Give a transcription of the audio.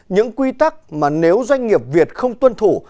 những quy tắc mà nếu doanh nghiệp việt không tuân thủ